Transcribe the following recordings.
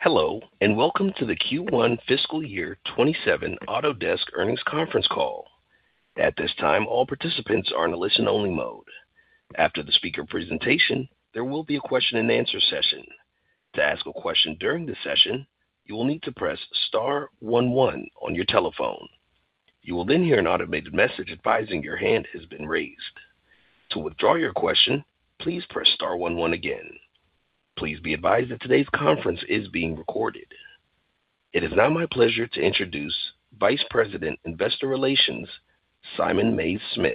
Hello, welcome to the Q1 FY 2027 Autodesk Earnings Conference Call. At this time, all participants are in a listen-only mode. After the speaker presentation, there will be a question-and-answer session. Please be advised that today's conference is being recorded. It is now my pleasure to introduce Vice President, Investor Relations, Simon Mays-Smith.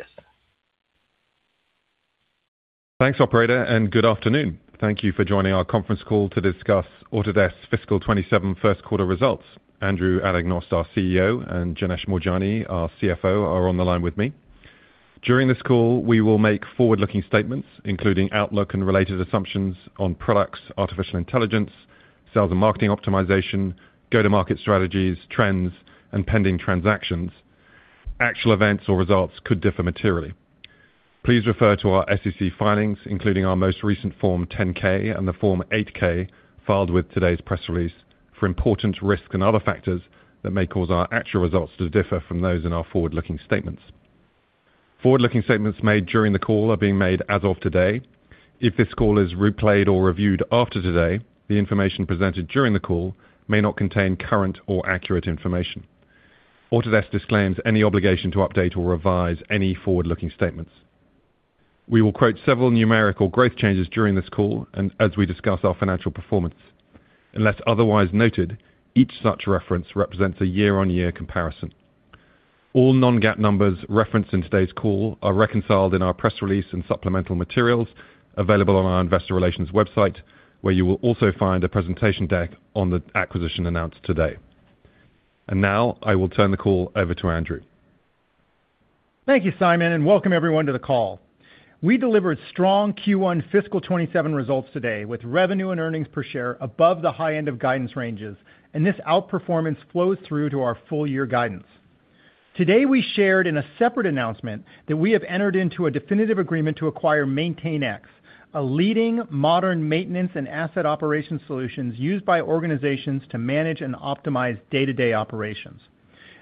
Thanks, operator, and good afternoon. Thank you for joining our conference call to discuss Autodesk's FY 2027 first quarter results. Andrew Anagnost, our CEO, and Janesh Moorjani, our CFO, are on the line with me. During this call, we will make forward-looking statements, including outlook and related assumptions on products, artificial intelligence, sales and marketing optimization, go-to-market strategies, trends, and pending transactions. Actual events or results could differ materially. Please refer to our SEC filings, including our most recent Form 10-K and the Form 8-K filed with today's press release, for important risks and other factors that may cause our actual results to differ from those in our forward-looking statements. Forward-looking statements made during the call are being made as of today. If this call is replayed or reviewed after today, the information presented during the call may not contain current or accurate information. Autodesk disclaims any obligation to update or revise any forward-looking statements. We will quote several numerical growth changes during this call and as we discuss our financial performance. Unless otherwise noted, each such reference represents a year-on-year comparison. All non-GAAP numbers referenced in today's call are reconciled in our press release and supplemental materials available on our investor relations website, where you will also find a presentation deck on the acquisition announced today. Now I will turn the call over to Andrew. Thank you, Simon, and welcome everyone to the call. We delivered strong Q1 FY 2027 results today with revenue and earnings per share above the high end of guidance ranges. This outperformance flows through to our full-year guidance. Today, we shared in a separate announcement that we have entered into a definitive agreement to acquire MaintainX, a leading modern maintenance and asset operations solutions used by organizations to manage and optimize day-to-day operations.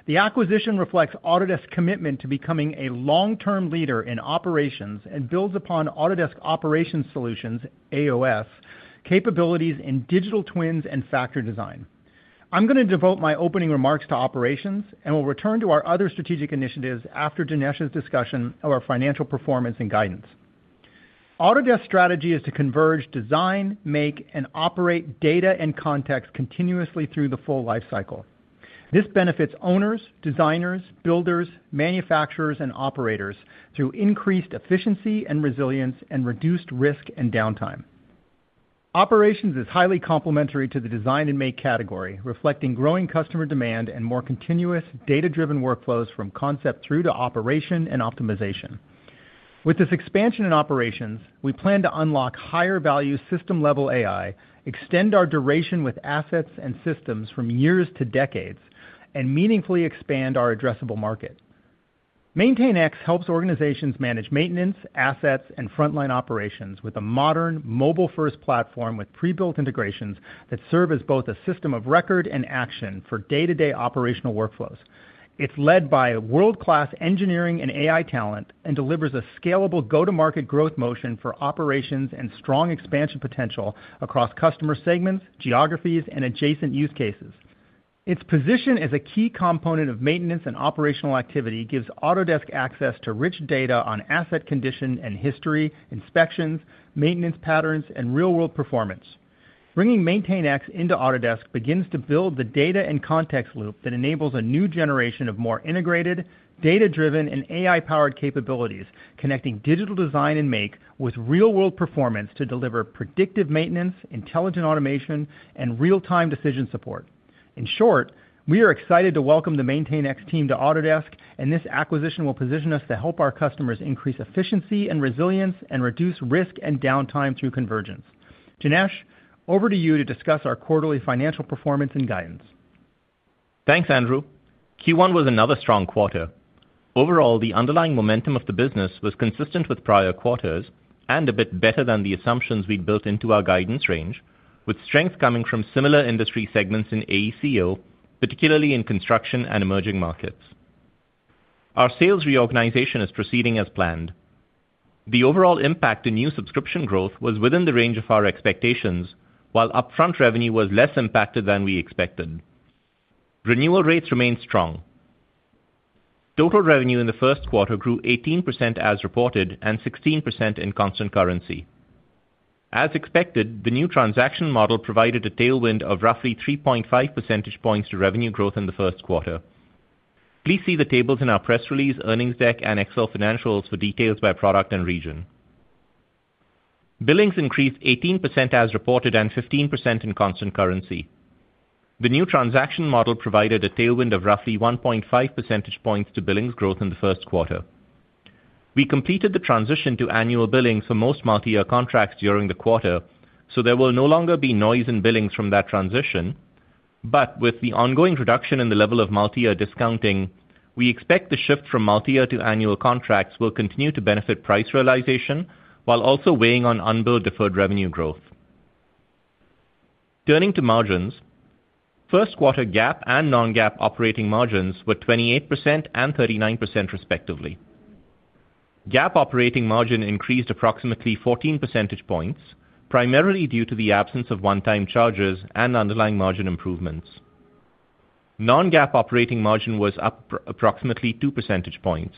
The acquisition reflects Autodesk's commitment to becoming a long-term leader in operations and builds upon Autodesk Operations Solutions, AOS, capabilities in digital twin and factory design. I'm going to devote my opening remarks to operations and will return to our other strategic initiatives after Janesh's discussion of our financial performance and guidance. Autodesk strategy is to converge design, make, and operate data and context continuously through the full life cycle. This benefits owners, designers, builders, manufacturers, and operators through increased efficiency and resilience and reduced risk and downtime. Operations is highly complementary to the Design and Make category, reflecting growing customer demand and more continuous data-driven workflows from concept through to operation and optimization. With this expansion in operations, we plan to unlock higher value system-level AI, extend our duration with assets and systems from years to decades, and meaningfully expand our addressable market. MaintainX helps organizations manage maintenance, assets, and frontline operations with a modern mobile-first platform with pre-built integrations that serve as both a system of record and action for day-to-day operational workflows. It's led by world-class engineering and AI talent and delivers a scalable go-to-market growth motion for operations and strong expansion potential across customer segments, geographies, and adjacent use cases. Its position as a key component of maintenance and operational activity gives Autodesk access to rich data on asset condition and history, inspections, maintenance patterns, and real-world performance. Bringing MaintainX into Autodesk begins to build the data and context loop that enables a new generation of more integrated, data-driven, and AI-powered capabilities, connecting digital Design and Make with real-world performance to deliver predictive maintenance, intelligent automation, and real-time decision support. In short, we are excited to welcome the MaintainX team to Autodesk, and this acquisition will position us to help our customers increase efficiency and resilience and reduce risk and downtime through convergence. Janesh, over to you to discuss our quarterly financial performance and guidance. Thanks, Andrew. Q1 was another strong quarter. The underlying momentum of the business was consistent with prior quarters and a bit better than the assumptions we'd built into our guidance range, with strength coming from similar industry segments in AECO, particularly in construction and emerging markets. Our sales reorganization is proceeding as planned. The overall impact in new subscription growth was within the range of our expectations, while upfront revenue was less impacted than we expected. Renewal rates remained strong. Total revenue in the first quarter grew 18% as reported and 16% in constant currency. As expected, the new transaction model provided a tailwind of roughly 3.5 percentage points to revenue growth in the first quarter. Please see the tables in our press release, earnings deck, and Excel financials for details by product and region. Billings increased 18% as reported and 15% in constant currency. The new transaction model provided a tailwind of roughly 1.5 percentage points to billings growth in the first quarter. We completed the transition to annual billing for most multiyear contracts during the quarter, so there will no longer be noise in billings from that transition. With the ongoing reduction in the level of multi-year discounting, we expect the shift from multi-year to annual contracts will continue to benefit price realization while also weighing on unbilled deferred revenue growth. Turning to margins, first quarter GAAP and non-GAAP operating margins were 28% and 39%, respectively. GAAP operating margin increased approximately 14 percentage points, primarily due to the absence of one-time charges and underlying margin improvements. Non-GAAP operating margin was up approximately two percentage points.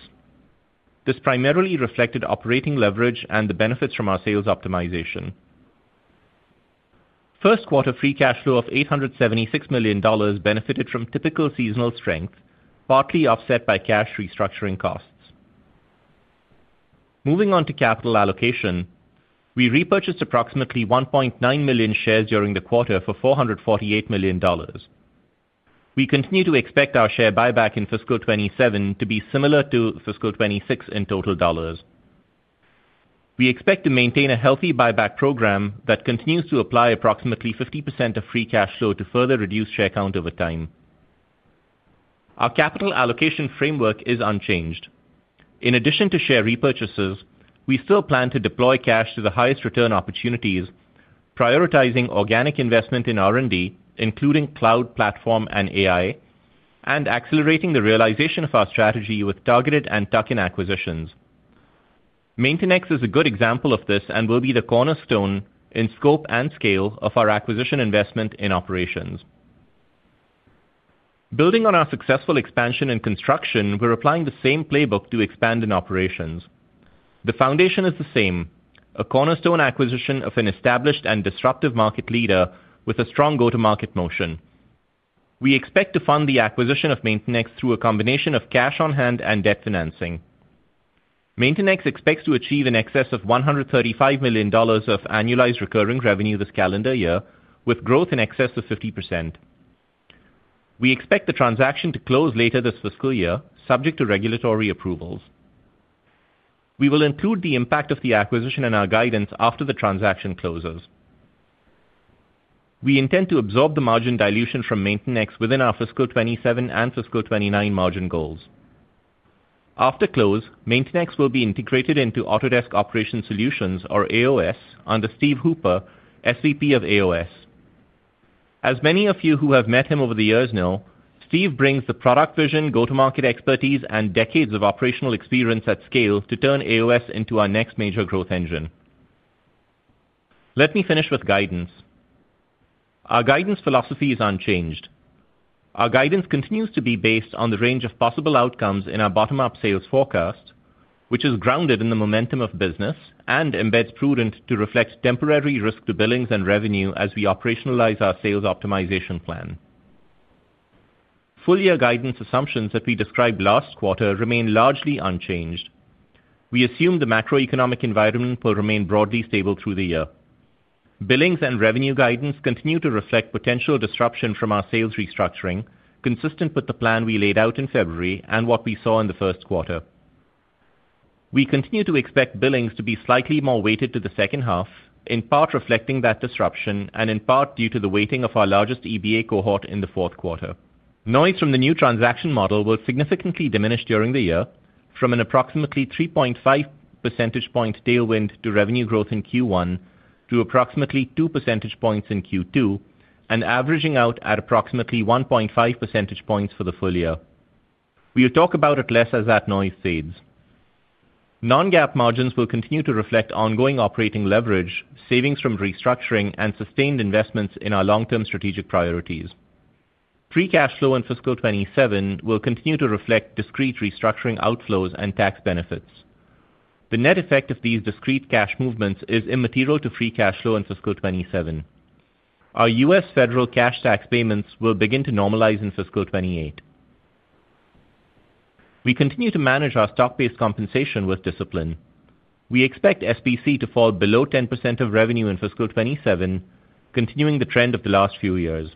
This primarily reflected operating leverage and the benefits from our sales optimization. First quarter free cash flow of $876 million benefited from typical seasonal strength, partly offset by cash restructuring costs. Moving on to capital allocation, we repurchased approximately 1.9 million shares during the quarter for $448 million. We continue to expect our share buyback in FY 2027 to be similar to FY 2026 in total dollars. We expect to maintain a healthy buyback program that continues to apply approximately 50% of free cash flow to further reduce share count over time. Our capital allocation framework is unchanged. In addition to share repurchases, we still plan to deploy cash to the highest return opportunities, prioritizing organic investment in R&D, including cloud platform and AI, and accelerating the realization of our strategy with targeted and tuck-in acquisitions. MaintainX is a good example of this and will be the cornerstone in scope and scale of our acquisition investment in operations. Building on our successful expansion in construction, we're applying the same playbook to expand in operations. The foundation is the same, a cornerstone acquisition of an established and disruptive market leader with a strong go-to-market motion. We expect to fund the acquisition of MaintainX through a combination of cash on hand and debt financing. MaintainX expects to achieve in excess of $135 million of annualized recurring revenue this calendar year, with growth in excess of 50%. We expect the transaction to close later this fiscal year, subject to regulatory approvals. We will include the impact of the acquisition in our guidance after the transaction closes. We intend to absorb the margin dilution from MaintainX within our FY 2027 and FY 2029 margin goals. After close, MaintainX will be integrated into Autodesk Operations Solutions, or AOS, under Stephen Hooper, SVP of AOS. As many of you who have met him over the years know, Steve brings the product vision, go-to-market expertise, and decades of operational experience at scale to turn AOS into our next major growth engine. Let me finish with guidance. Our guidance philosophy is unchanged. Our guidance continues to be based on the range of possible outcomes in our bottom-up sales forecast, which is grounded in the momentum of business and embeds prudence to reflect temporary risk to billings and revenue as we operationalize our sales optimization plan. Full-year guidance assumptions that we described last quarter remain largely unchanged. We assume the macroeconomic environment will remain broadly stable through the year. Billings and revenue guidance continue to reflect potential disruption from our sales restructuring, consistent with the plan we laid out in February and what we saw in the first quarter. We continue to expect billings to be slightly more weighted to the second half, in part reflecting that disruption and in part due to the weighting of our largest EBA cohort in the fourth quarter. Noise from the new transaction model will significantly diminish during the year from an approximately 3.5 percentage point tailwind to revenue growth in Q1 to approximately two percentage points in Q2 and averaging out at approximately 1.5 percentage points for the full year. We will talk about it less as that noise fades. Non-GAAP margins will continue to reflect ongoing operating leverage, savings from restructuring, and sustained investments in our long-term strategic priorities. Free cash flow in FY 2027 will continue to reflect discrete restructuring outflows and tax benefits. The net effect of these discrete cash movements is immaterial to free cash flow in FY 2027. Our U.S. federal cash tax payments will begin to normalize in FY 2028. We continue to manage our stock-based compensation with discipline. We expect SBC to fall below 10% of revenue in FY 2027, continuing the trend of the last few years.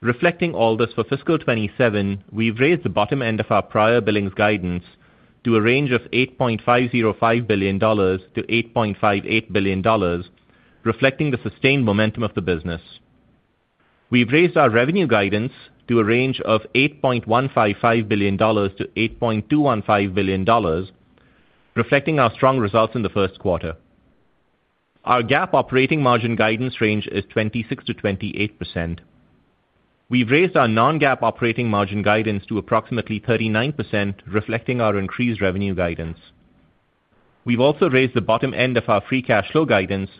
Reflecting all this for FY 2027, we've raised the bottom end of our prior billings guidance to a range of $8.505 billion to $8.58 billion, reflecting the sustained momentum of the business. We've raised our revenue guidance to a range of $8.155 billion to $8.215 billion, reflecting our strong results in the first quarter. Our GAAP operating margin guidance range is 26%-28%. We've raised our non-GAAP operating margin guidance to approximately 39%, reflecting our increased revenue guidance. We've also raised the bottom end of our free cash flow guidance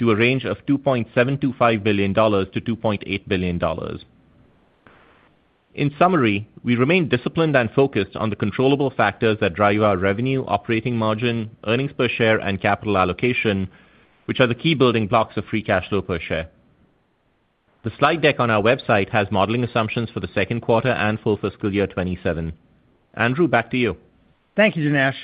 to a range of $2.725 billion to $2.8 billion. In summary, we remain disciplined and focused on the controllable factors that drive our revenue, operating margin, earnings per share, and capital allocation, which are the key building blocks of free cash flow per share. The slide deck on our website has modeling assumptions for the second quarter and full FY 2027. Andrew, back to you. Thank you, Janesh.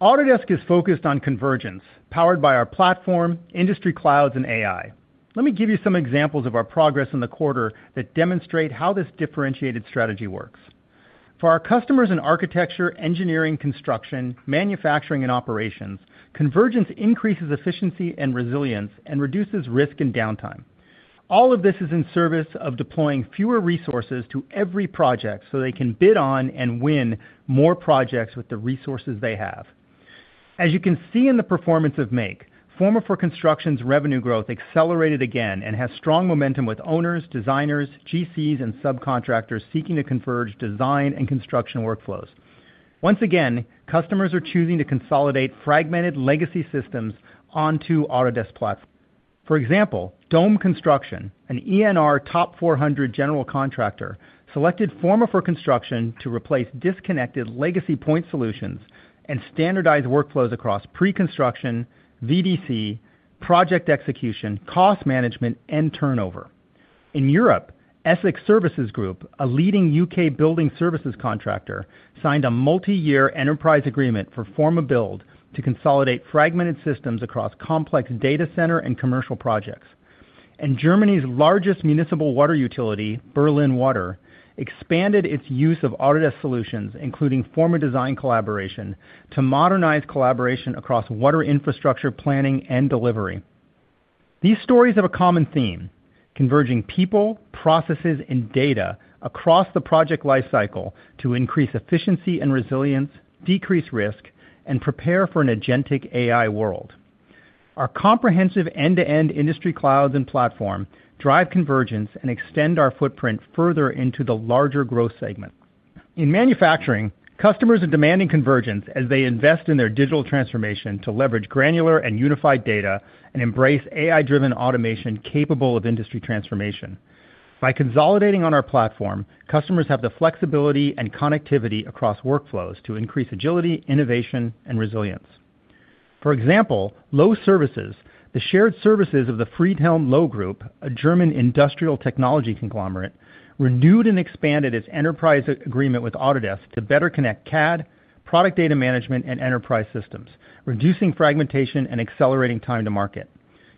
Autodesk is focused on convergence, powered by our Platform, industry clouds, and AI. Let me give you some examples of our progress in the quarter that demonstrate how this differentiated strategy works. For our customers in architecture, engineering, construction, manufacturing, and operations, convergence increases efficiency and resilience and reduces risk and downtime. All of this is in service of deploying fewer resources to every project so they can bid on and win more projects with the resources they have. As you can see in the performance of Make, Forma for Construction's revenue growth accelerated again and has strong momentum with owners, designers, GCs, and subcontractors seeking to converge design and construction workflows. Once again, customers are choosing to consolidate fragmented legacy systems onto Autodesk Platform. For example, Dome Construction, an ENR top 400 general contractor, selected Forma for Construction to replace disconnected legacy point solutions and standardize workflows across pre-construction, VDC, project execution, cost management, and turnover. In Europe, Essex Services Group, a leading U.K. building services contractor, signed a multi-year enterprise agreement for Forma Build to consolidate fragmented systems across complex data center and commercial projects. Germany's largest municipal water utility, Berliner Wasserbetriebe, expanded its use of Autodesk solutions, including Forma Design Collaboration, to modernize collaboration across water infrastructure planning and delivery. These stories have a common theme, converging people, processes, and data across the project life cycle to increase efficiency and resilience, decrease risk, and prepare for an agentic AI world. Our comprehensive end-to-end industry clouds and platform drive convergence and extend our footprint further into the larger growth segment. In manufacturing, customers are demanding convergence as they invest in their digital transformation to leverage granular and unified data and embrace AI-driven automation capable of industry transformation. By consolidating on our platform, customers have the flexibility and connectivity across workflows to increase agility, innovation, and resilience. For example, Loh Services, the shared services of the Friedhelm Loh Group, a German industrial technology conglomerate, renewed and expanded its enterprise agreement with Autodesk to better connect CAD, product data management, and enterprise systems, reducing fragmentation and accelerating time to market.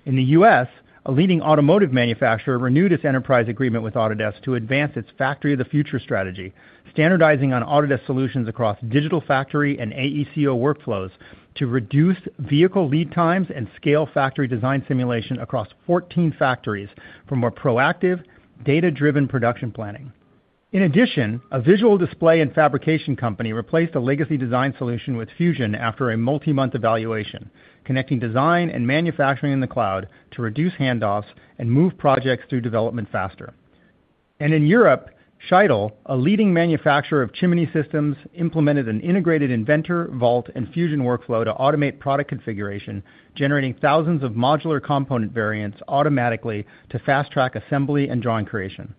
In the U.S., a leading automotive manufacturer renewed its enterprise agreement with Autodesk to advance its factory of the future strategy, standardizing on Autodesk solutions across digital factory and AECO workflows to reduce vehicle lead times and scale factory design simulation across 14 factories for more proactive, data-driven production planning. A visual display and fabrication company replaced a legacy design solution with Fusion after a multi-month evaluation, connecting design and manufacturing in the cloud to reduce handoffs and move projects through development faster. In Europe, Schiedel, a leading manufacturer of chimney systems, implemented an integrated Inventor, Vault, and Fusion workflow to automate product configuration, generating thousands of modular component variants automatically to fast-track assembly and drawing creation.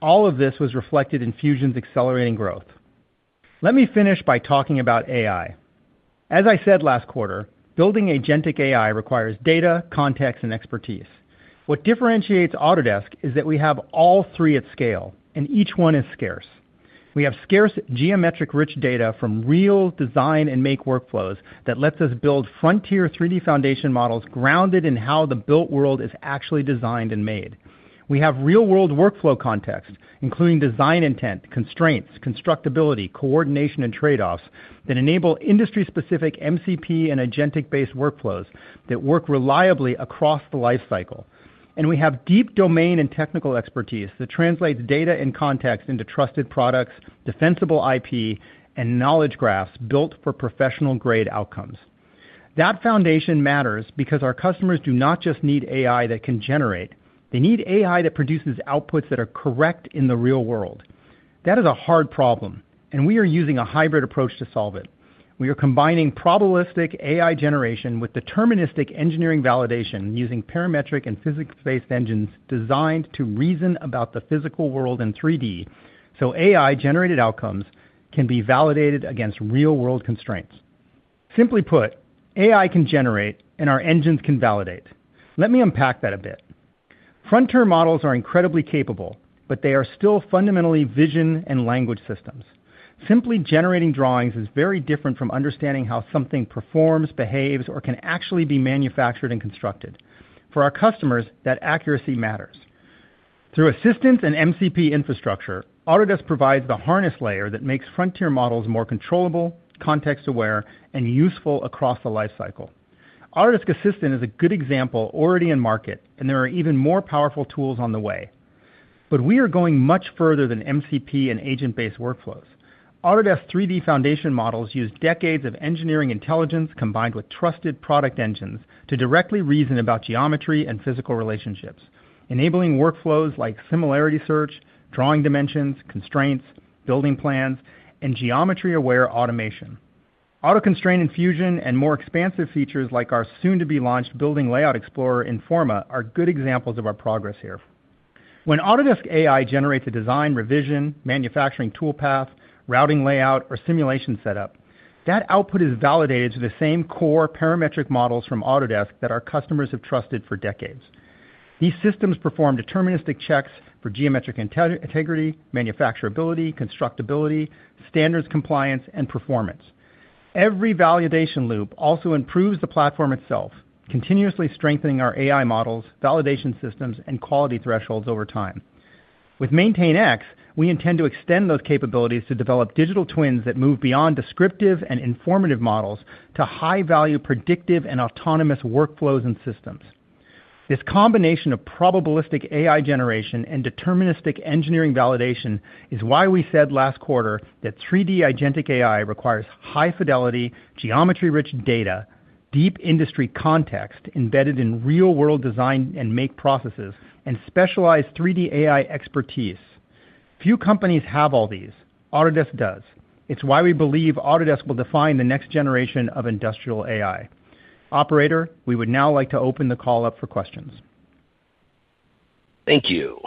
All of this was reflected in Fusion's accelerating growth. Let me finish by talking about AI. As I said last quarter, building agentic AI requires data, context, and expertise. What differentiates Autodesk is that we have all three at scale, and each one is scarce. We have scarce geometric-rich data from real Design and Make workflows that lets us build frontier 3D foundation models grounded in how the built world is actually designed and made. We have real-world workflow context, including design intent, constraints, constructability, coordination, and trade-offs that enable industry-specific MCP and agentic-based workflows that work reliably across the lifecycle. We have deep domain and technical expertise that translates data and context into trusted products, defensible IP, and knowledge graphs built for professional-grade outcomes. That foundation matters because our customers do not just need AI that can generate. They need AI that produces outputs that are correct in the real world. That is a hard problem. We are using a hybrid approach to solve it. We are combining probabilistic AI generation with deterministic engineering validation using parametric and physics-based engines designed to reason about the physical world in 3D, so AI-generated outcomes can be validated against real-world constraints. Simply put, AI can generate. Our engines can validate. Let me unpack that a bit. Frontier models are incredibly capable, they are still fundamentally vision and language systems. Simply generating drawings is very different from understanding how something performs, behaves, or can actually be manufactured and constructed. For our customers, that accuracy matters. Through Assistants and MCP infrastructure, Autodesk provides the harness layer that makes frontier models more controllable, context-aware, and useful across the lifecycle. Autodesk Assistant is a good example already in market, and there are even more powerful tools on the way. We are going much further than MCP and agent-based workflows. Autodesk 3D foundation models use decades of engineering intelligence combined with trusted product engines to directly reason about geometry and physical relationships, enabling workflows like similarity search, drawing dimensions, constraints, building plans, and geometry-aware automation. Auto Constraint in Fusion and more expansive features like our soon-to-be-launched Building Layout Explorer in Forma are good examples of our progress here. When Autodesk AI generates a design revision, manufacturing tool path, routing layout, or simulation setup, that output is validated to the same core parametric models from Autodesk that our customers have trusted for decades. These systems perform deterministic checks for geometric integrity, manufacturability, constructability, standards compliance, and performance. Every validation loop also improves the platform itself, continuously strengthening our AI models, validation systems, and quality thresholds over time. With MaintainX, we intend to extend those capabilities to develop digital twins that move beyond descriptive and informative models to high-value, predictive, and autonomous workflows and systems. This combination of probabilistic AI generation and deterministic engineering validation is why we said last quarter that 3D agentic AI requires high-fidelity, geometry-rich data, deep industry context embedded in real-world Design and Make processes, and specialized 3D AI expertise. Few companies have all these. Autodesk does. It's why we believe Autodesk will define the next generation of industrial AI. Operator, we would now like to open the call up for questions. Thank you.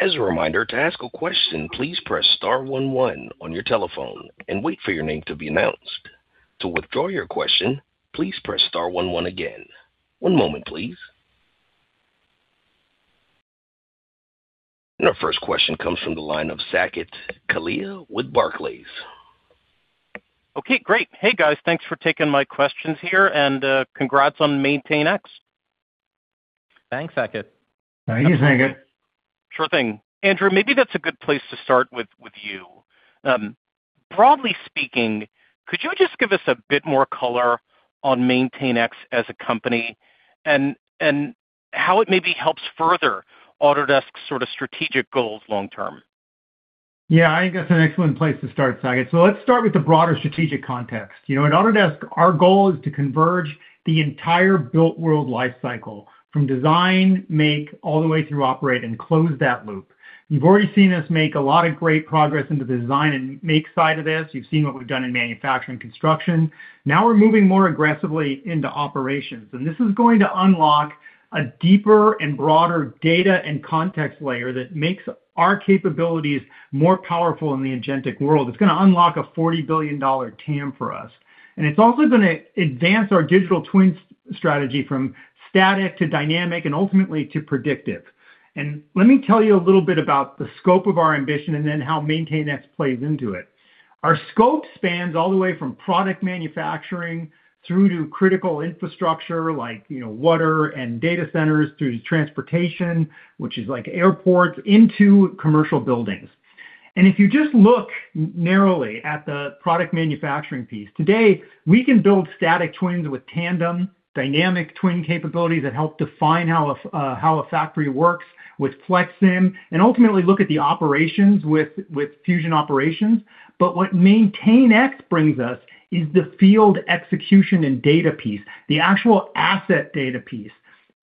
As a reminder, to ask a question, please press star one one on your telephone and wait for your name to be announced. To withdraw your question, please press star one one again. One moment, please. Our first question comes from the line of Saket Kalia with Barclays. Okay, great. Hey, guys. Thanks for taking my questions here and, congrats on MaintainX. Thanks, Saket. Thank you, Saket. Sure thing. Andrew, maybe that's a good place to start with you. Broadly speaking, could you just give us a bit more color on MaintainX as a company and how it maybe helps further Autodesk's sort of strategic goals long term? Yeah, I think that's an excellent place to start, Saket. Let's start with the broader strategic context. At Autodesk, our goal is to converge the entire built world life cycle from design, make, all the way through operate, and close that loop. You've already seen us make a lot of great progress in the Design and Makeside of this. You've seen what we've done in manufacturing construction. Now we're moving more aggressively into operations, and this is going to unlock a deeper and broader data and context layer that makes our capabilities more powerful in the agentic world. It's going to unlock a $40 billion TAM for us. It's also going to advance our digital twin strategy from static to dynamic and, ultimately, to predictive. Let me tell you a little bit about the scope of our ambition and then how MaintainX plays into it. Our scope spans all the way from product manufacturing through to critical infrastructure like water and data centers, through to transportation, which is like airports, into commercial buildings. If you just look narrowly at the product manufacturing piece, today, we can build static twins with Tandem, dynamic twin capabilities that help define how a factory works with FlexSim, and ultimately look at the operations with Fusion Operations. What MaintainX brings us is the field execution and data piece, the actual asset data piece.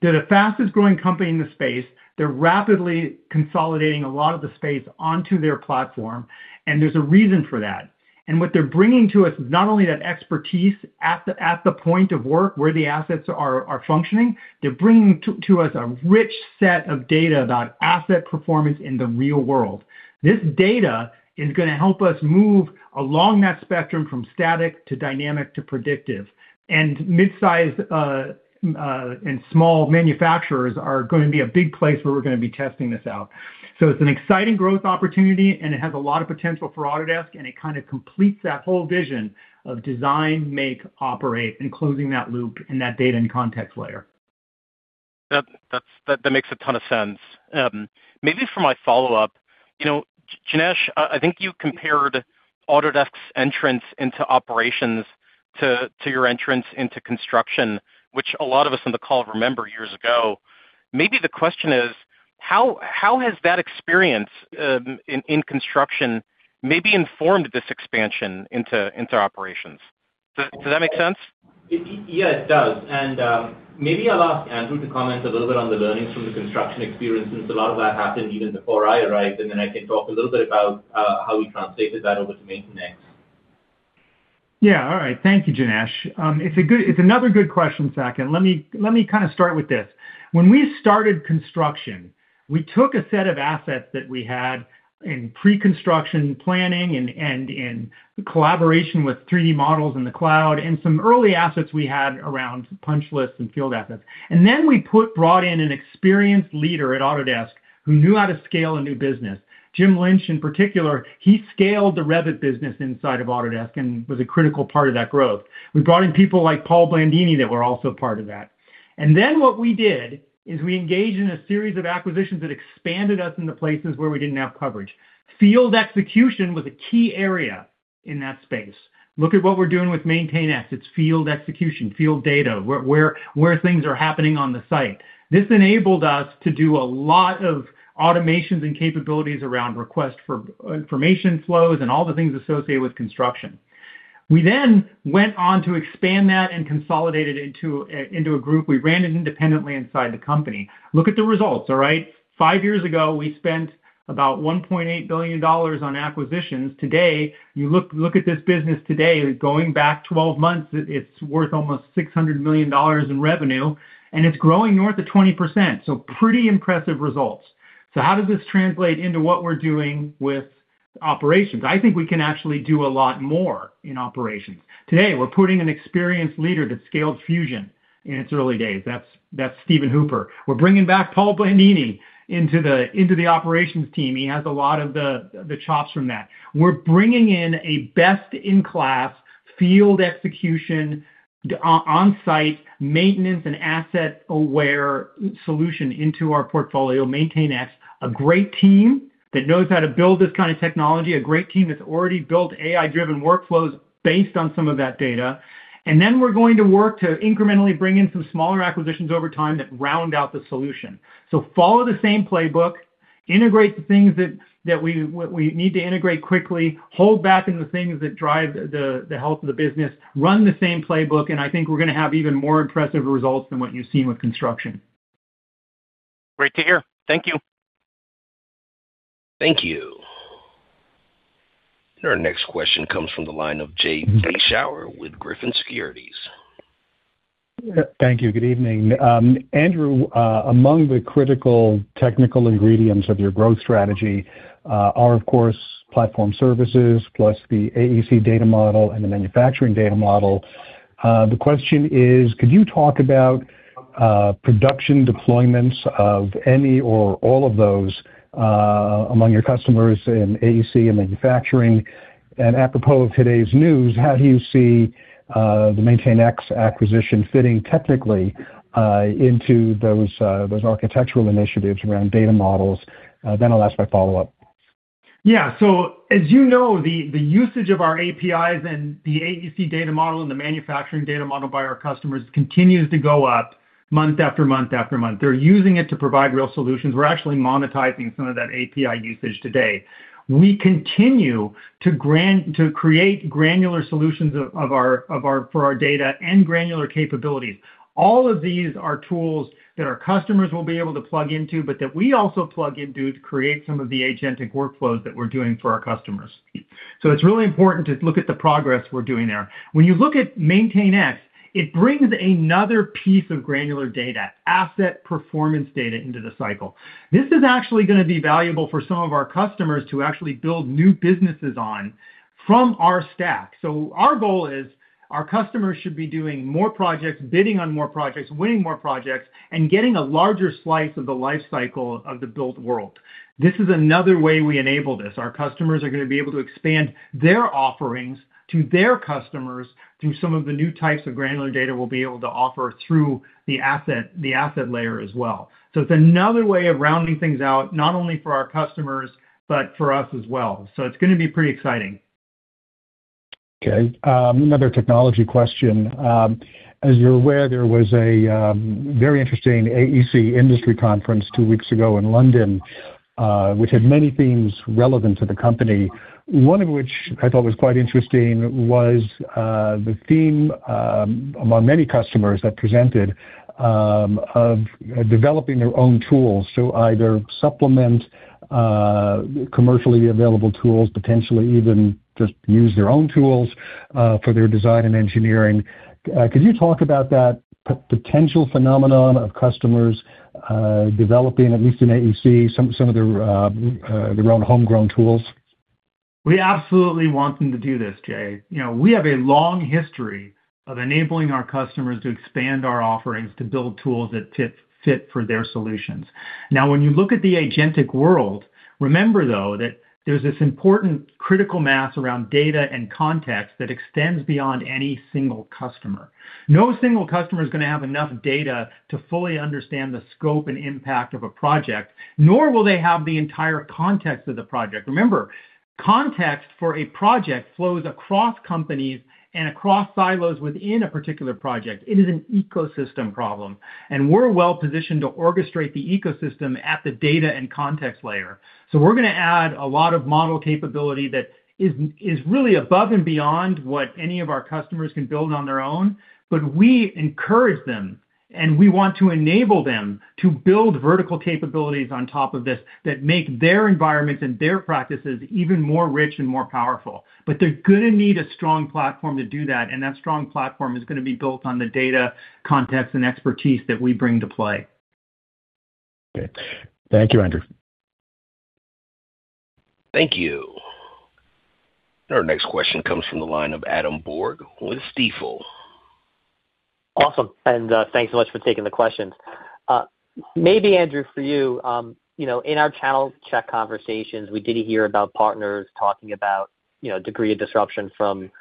They're the fastest-growing company in the space. They're rapidly consolidating a lot of the space onto their platform, and there's a reason for that. What they're bringing to us is not only that expertise at the point of work where the assets are functioning, they're bringing to us a rich set of data about asset performance in the real world. This data is going to help us move along that spectrum from static to dynamic to predictive. Midsize, and small manufacturers are going to be a big place where we're going to be testing this out. It's an exciting growth opportunity, and it has a lot of potential for Autodesk, and it kind of completes that whole vision of design, make, operate, and closing that loop in that data and context layer. That makes a ton of sense. For my follow-up, Janesh, I think you compared Autodesk's entrance into operations to your entrance into construction, which a lot of us on the call remember years ago. The question is, how has that experience in construction maybe informed this expansion into operations? Does that make sense? Yes, it does. Maybe I'll ask Andrew to comment a little bit on the learnings from the construction experience, since a lot of that happened even before I arrived, then I can talk a little bit about how we translated that over to MaintainX. Yeah. All right. Thank you, Janesh. It's another good question, Saket. Let me start with this. When we started construction, we took a set of assets that we had in pre-construction planning and in collaboration with 3D models in the cloud and some early assets we had around punch lists and field assets. We brought in an experienced leader at Autodesk who knew how to scale a new business. Jim Lynch in particular, he scaled the Revit business inside of Autodesk and was a critical part of that growth. We brought in people like Paul Blandini that were also part of that. What we did is we engaged in a series of acquisitions that expanded us into places where we didn't have coverage. Field execution was a key area in that space. Look at what we're doing with MaintainX. It's field execution, field data, where things are happening on the site. This enabled us to do a lot of automations and capabilities around request for information flows and all the things associated with construction. We then went on to expand that and consolidate it into a group. We ran it independently inside the company. Look at the results. All right. Five years ago, we spent about $1.8 billion on acquisitions. Today, you look at this business today, going back 12 months, it's worth almost $600 million in revenue, and it's growing north of 20%. Pretty impressive results. So how does this translate into what we're doing with operations? I think we can actually do a lot more in operations. Today, we're putting an experienced leader that scaled Autodesk Fusion in its early days. That's Stephen Hooper. We're bringing back Paul Blandini into the operations team. He has a lot of the chops from that. We're bringing in a best-in-class field execution, on-site maintenance and asset-aware solution into our portfolio, MaintainX, a great team that knows how to build this kind of technology, a great team that's already built AI-driven workflows based on some of that data. Then we're going to work to incrementally bring in some smaller acquisitions over time that round out the solution. Follow the same playbook, integrate the things that we need to integrate quickly, hold back on the things that drive the health of the business, run the same playbook, and I think we're going to have even more impressive results than what you've seen with construction. Great to hear. Thank you. Thank you. Our next question comes from the line of Jay Vleeschhouwer with Griffin Securities. Thank you. Good evening. Andrew, among the critical technical ingredients of your growth strategy are, of course, platform services plus the AEC data model and the manufacturing data model. The question is, could you talk about production deployments of any or all of those among your customers in AEC and manufacturing? Apropos of today's news, how do you see the MaintainX acquisition fitting technically into those architectural initiatives around data models? I'll ask my follow-up. Yeah. As you know, the usage of our APIs and the AEC data model and the manufacturing data model by our customers continues to go up month after month after month. They're using it to provide real solutions. We're actually monetizing some of that API usage today. We continue to create granular solutions for our data and granular capabilities. All of these are tools that our customers will be able to plug into, but that we also plug into to create some of the agentic workflows that we're doing for our customers. It's really important to look at the progress we're doing there. When you look at MaintainX, it brings another piece of granular data, asset performance data, into the cycle. This is actually going to be valuable for some of our customers to actually build new businesses on from our stack. Our goal is our customers should be doing more projects, bidding on more projects, winning more projects, and getting a larger slice of the life cycle of the built world. This is another way we enable this. Our customers are going to be able to expand their offerings to their customers through some of the new types of granular data we'll be able to offer through the asset layer as well. It's another way of rounding things out, not only for our customers, but for us as well. It's going to be pretty exciting. Okay. Another technology question. As you're aware, there was a very interesting AEC industry conference two weeks ago in London, which had many themes relevant to the company. One of which I thought was quite interesting was the theme, among many customers that presented, of developing their own tools. Either supplement commercially available tools, potentially even just use their own tools, for their design and engineering. Could you talk about that potential phenomenon of customers developing, at least in AEC, some of their own homegrown tools? We absolutely want them to do this, Jay. We have a long history of enabling our customers to expand our offerings to build tools that fit for their solutions. When you look at the agentic world, remember, though, that there is this important critical mass around data and context that extends beyond any single customer. No single customer is going to have enough data to fully understand the scope and impact of a project, nor will they have the entire context of the project. Remember, context for a project flows across companies and across silos within a particular project. It is an ecosystem problem, and we are well-positioned to orchestrate the ecosystem at the data and context layer. We are going to add a lot of model capability that is really above and beyond what any of our customers can build on their own. We encourage them, and we want to enable them to build vertical capabilities on top of this that make their environments and their practices even more rich and more powerful. They're going to need a strong platform to do that, and that strong platform is going to be built on the data, context, and expertise that we bring to play. Okay. Thank you, Andrew. Thank you. Our next question comes from the line of Adam Borg with Stifel. Awesome, thanks so much for taking the questions. Maybe Andrew, for you, in our channel check conversations, we did hear about partners talking about degree of disruption from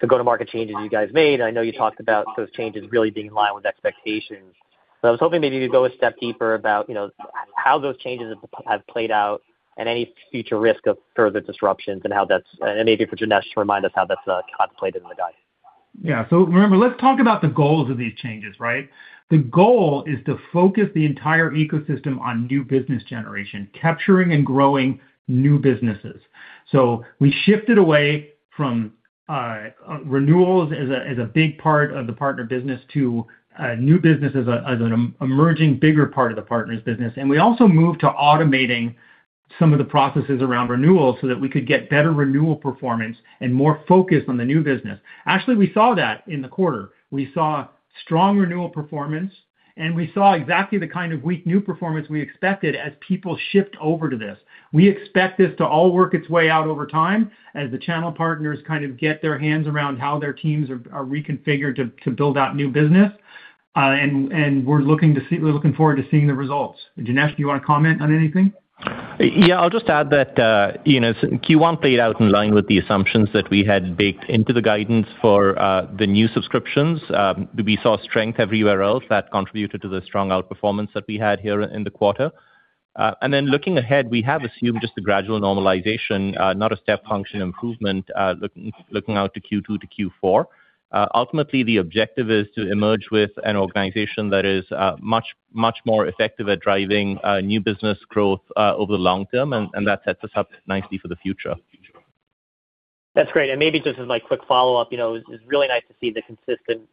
the go-to-market changes you guys made. I know you talked about those changes really being in line with expectations. I was hoping maybe you could go a step deeper about how those changes have played out and any future risk of further disruptions and maybe for Janesh to remind us how that's contemplated in the guidance. Yeah. Remember, let's talk about the goals of these changes, right? The goal is to focus the entire ecosystem on new business generation, capturing and growing new businesses. We shifted away from renewals as a big part of the partner business to new business as an emerging bigger part of the partner's business. We also moved to automating some of the processes around renewal so that we could get better renewal performance and more focus on the new business. Actually, we saw that in the quarter. We saw strong renewal performance, and we saw exactly the kind of weak new performance we expected as people shift over to this. We expect this to all work its way out over time as the channel partners kind of get their hands around how their teams are reconfigured to build out new business. We're looking forward to seeing the results. Janesh, do you want to comment on anything? Yeah, I'll just add that, Q1 played out in line with the assumptions that we had baked into the guidance for the new subscriptions. We saw strength everywhere else that contributed to the strong outperformance that we had here in the quarter. Looking ahead, we have assumed just a gradual normalization, not a step function improvement, looking out to Q2 to Q4. Ultimately, the objective is to emerge with an organization that is much more effective at driving new business growth over the long term. That sets us up nicely for the future. That's great. Maybe just as my quick follow-up, it's really nice to see the consistent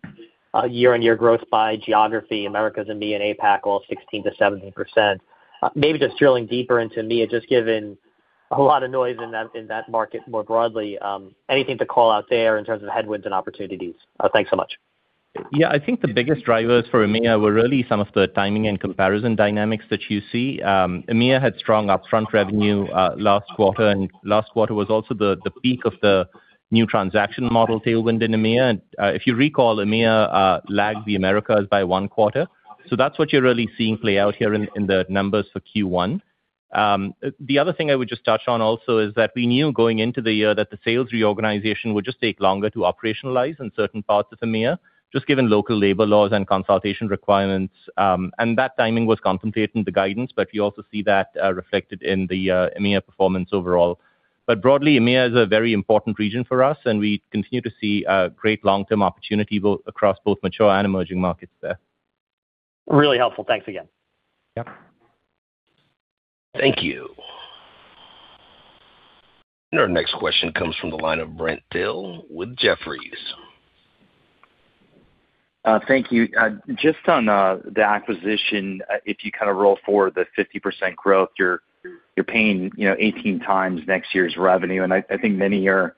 year-over-year growth by geography, Americas, EMEA, and APAC, all 16%-17%. Maybe just drilling deeper into EMEA, just given a lot of noise in that market more broadly. Anything to call out there in terms of headwinds and opportunities? Thanks so much. I think the biggest drivers for EMEA were really some of the timing and comparison dynamics that you see. EMEA had strong upfront revenue last quarter. Last quarter was also the peak of the new transaction model tailwind in EMEA. If you recall, EMEA lagged the Americas by one quarter. That's what you're really seeing play out here in the numbers for Q1. The other thing I would just touch on also is that we knew going into the year that the sales reorganization would just take longer to operationalize in certain parts of EMEA, just given local labor laws and consultation requirements. That timing was contemplated in the guidance, but you also see that reflected in the EMEA performance overall. Broadly, EMEA is a very important region for us, and we continue to see great long-term opportunity across both mature and emerging markets there. Really helpful. Thanks again. Yep. Thank you. Our next question comes from the line of Brent Thill with Jefferies. Thank you. Just on the acquisition, if you kind of roll forward the 50% growth, you're paying 18 times next year's revenue. I think many are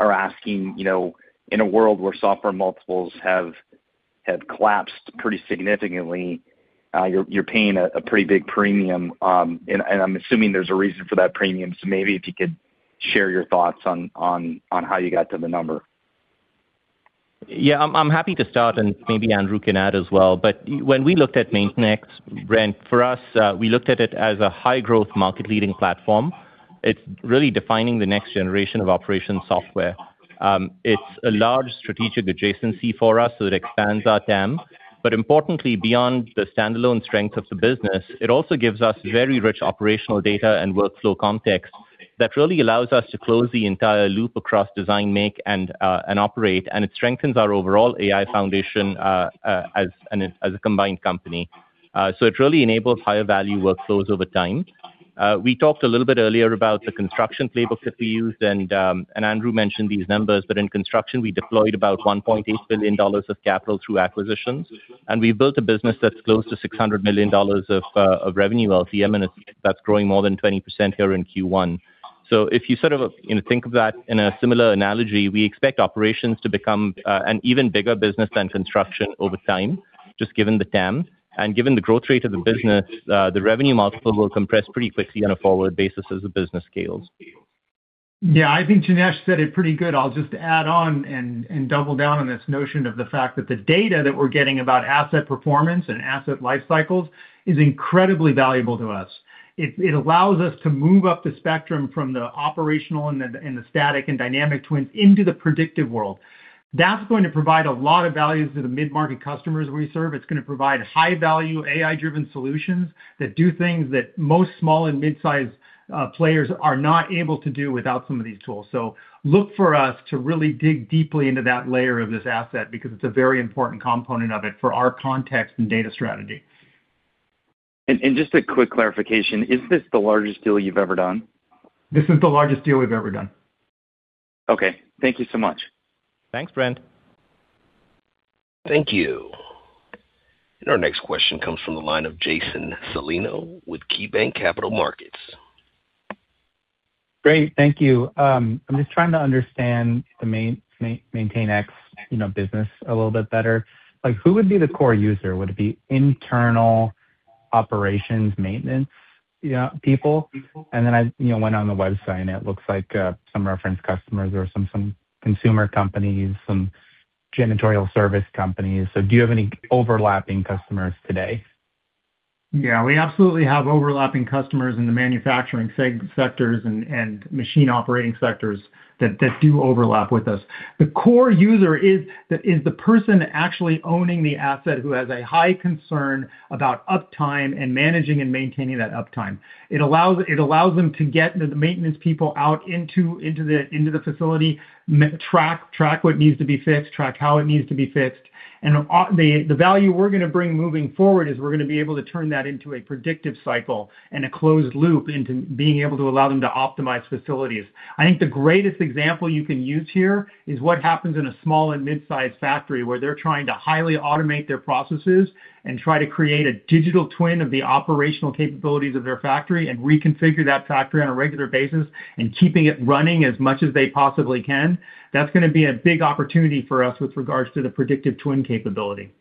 asking, in a world where software multiples have collapsed pretty significantly, you're paying a pretty big premium. I'm assuming there's a reason for that premium. Maybe if you could share your thoughts on how you got to the number. Yeah, I'm happy to start. Maybe Andrew can add as well. When we looked at MaintainX, Brent, for us, we looked at it as a high-growth market-leading platform. It's really defining the next generation of operations software. It's a large strategic adjacency for us. It expands our TAM. Importantly, beyond the standalone strength of the business, it also gives us very rich operational data and workflow context that really allows us to close the entire loop across design, make, and operate. It strengthens our overall AI foundation as a combined company. It really enables higher-value workflows over time. We talked a little bit earlier about the construction playbook that we used. Andrew mentioned these numbers. In construction, we deployed about $1.8 billion of capital through acquisitions. We built a business that's close to $600 million of revenue LTM, and that's growing more than 20% here in Q1. If you sort of think of that in a similar analogy, we expect operations to become an even bigger business than construction over time, just given the TAM. Given the growth rate of the business, the revenue multiple will compress pretty quickly on a forward basis as the business scales. I think Janesh said it pretty good. I'll just add on and double down on this notion of the fact that the data that we're getting about asset performance and asset life cycles is incredibly valuable to us. It allows us to move up the spectrum from the operational and the static and dynamic twins into the predictive world. That's going to provide a lot of value to the mid-market customers we serve. It's going to provide high-value, AI-driven solutions that do things that most small and midsize players are not able to do without some of these tools. Look for us to really dig deeply into that layer of this asset because it's a very important component of it for our context and data strategy. Just a quick clarification, is this the largest deal you've ever done? This is the largest deal we've ever done. Okay. Thank you so much. Thanks, Brent. Thank you. Our next question comes from the line of Jason Celino with KeyBanc Capital Markets. Great. Thank you. I'm just trying to understand the MaintainX business a little bit better. Who would be the core user? Would it be internal operations maintenance people? I went on the website, and it looks like some reference customers or some consumer companies, some janitorial service companies. Do you have any overlapping customers today? Yeah, we absolutely have overlapping customers in the manufacturing sectors and machine operating sectors that do overlap with us. The core user is the person actually owning the asset who has a high concern about uptime and managing and maintaining that uptime. It allows them to get the maintenance people out into the facility, track what needs to be fixed, track how it needs to be fixed. The value we're going to bring moving forward is we're going to be able to turn that into a predictive cycle and a closed loop into being able to allow them to optimize facilities. I think the greatest example you can use here is what happens in a small and mid-size factory, where they're trying to highly automate their processes and try to create a digital twin of the operational capabilities of their factory and reconfigure that factory on a regular basis and keeping it running as much as they possibly can. That's going to be a big opportunity for us with regards to the predictive twin capability.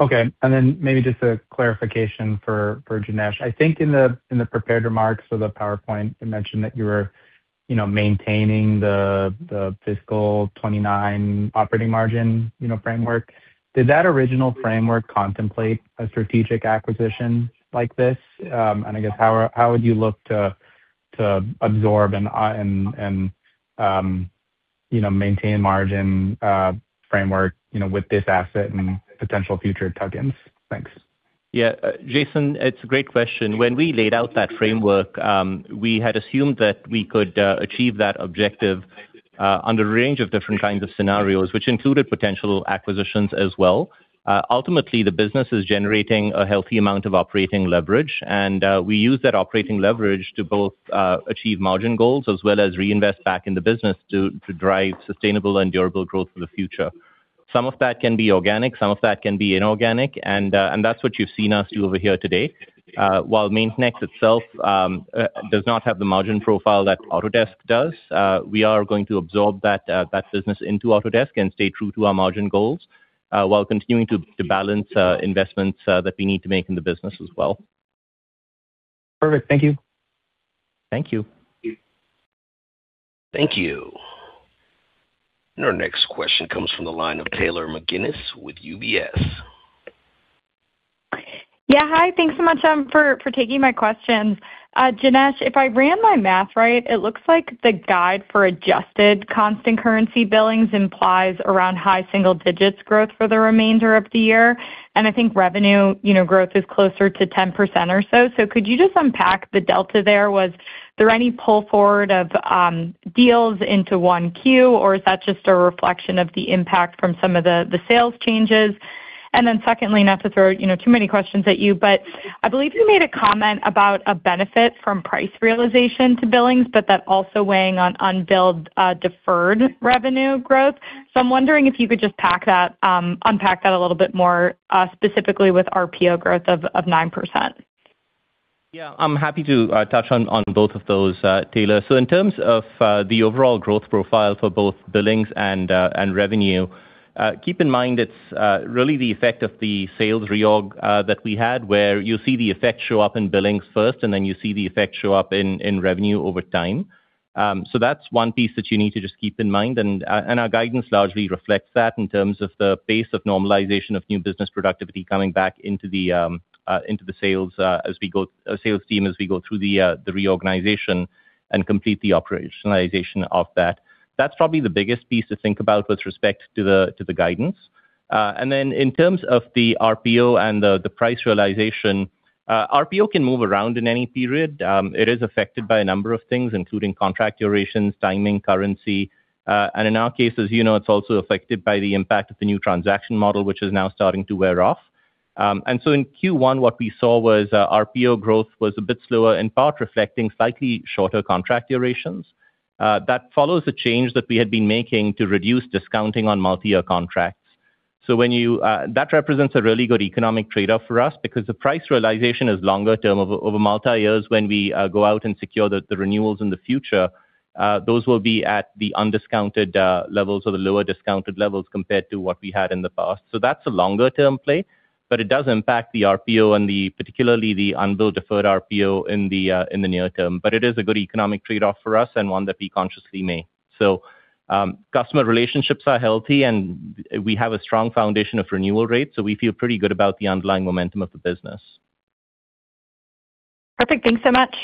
Okay. Maybe just a clarification for Janesh. I think in the prepared remarks for the PowerPoint, you mentioned that you were maintaining the FY 2029 operating margin framework. Did that original framework contemplate a strategic acquisition like this? I guess, how would you look to absorb and maintain margin framework with this asset and potential future tuck-ins? Thanks. Yeah. Jason, it's a great question. When we laid out that framework, we had assumed that we could achieve that objective under a range of different kinds of scenarios, which included potential acquisitions as well. Ultimately, the business is generating a healthy amount of operating leverage, and we use that operating leverage to both achieve margin goals as well as reinvest back in the business to drive sustainable and durable growth for the future. Some of that can be organic, some of that can be inorganic, and that's what you've seen us do over here today. While MaintainX itself does not have the margin profile that Autodesk does, we are going to absorb that business into Autodesk and stay true to our margin goals, while continuing to balance investments that we need to make in the business as well. Perfect. Thank you. Thank you. Thank you. Thank you. Our next question comes from the line of Taylor McGinnis with UBS. Yeah. Hi, thanks so much for taking my questions. Janesh, if I ran my math right, it looks like the guide for adjusted constant currency billings implies around high single digits growth for the remainder of the year. I think revenue growth is closer to 10% or so. Could you just unpack the delta there? Was there any pull forward of deals into 1Q, or is that just a reflection of the impact from some of the sales changes? Secondly, not to throw too many questions at you, but I believe you made a comment about a benefit from price realization to billings, but that also weighing on unbilled deferred revenue growth. I'm wondering if you could just unpack that a little bit more, specifically with RPO growth of 9%. Yeah, I'm happy to touch on both of those, Taylor. In terms of the overall growth profile for both billings and revenue, keep in mind it's really the effect of the sales reorg that we had, where you see the effect show up in billings first, and then you see the effect show up in revenue over time. That's one piece that you need to just keep in mind, and our guidance largely reflects that in terms of the pace of normalization of new business productivity coming back into the sales team as we go through the reorganization and complete the operationalization of that. That's probably the biggest piece to think about with respect to the guidance. In terms of the RPO and the price realization, RPO can move around in any period. It is affected by a number of things, including contract durations, timing, currency. In our cases, it's also affected by the impact of the new transaction model, which is now starting to wear off. In Q1, what we saw was RPO growth was a bit slower, in part reflecting slightly shorter contract durations. That follows a change that we had been making to reduce discounting on multi-year contracts. That represents a really good economic trade-off for us because the price realization is longer term. Over multi-years, when we go out and secure the renewals in the future, those will be at the undiscounted levels or the lower discounted levels compared to what we had in the past. That's a longer-term play, but it does impact the RPO and particularly the unbilled deferred RPO in the near term. It is a good economic trade-off for us and one that we consciously made. Customer relationships are healthy, and we have a strong foundation of renewal rates, so we feel pretty good about the underlying momentum of the business. Perfect. Thanks so much.